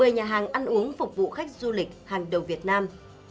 một mươi nhà hàng ăn uống phục vụ khách du lịch hàng đầu việt nam